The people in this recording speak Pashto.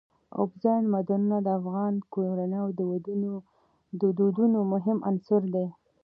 اوبزین معدنونه د افغان کورنیو د دودونو مهم عنصر دی.